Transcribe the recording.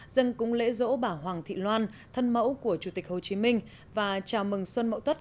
dân cúng lễ rỗ bảo hoàng thị loan thân mẫu của chủ tịch hồ chí minh và chào mừng xuân mẫu tuất hai nghìn một mươi tám